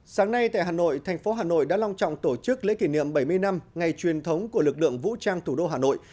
sáng nay tại hà nội thành phố hà nội đã long trọng tổ chức lễ kỷ niệm bảy mươi năm ngày truyền thống của lực lượng vũ trang thủ đô hà nội